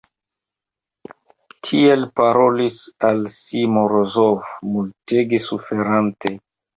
Tiel parolis al si Morozov, multege suferante.